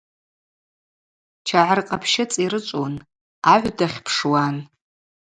Чагӏыр къапщы цӏирычӏвун, агӏв дахьпшуан.